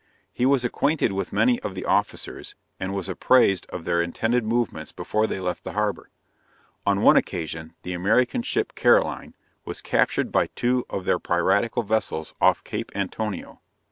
He was acquainted with many of the officers and was apprised of all their intended movements before they left the harbor. On one occasion, the American ship Caroline, was captured by two of their piratical vessels off Cape Antonio.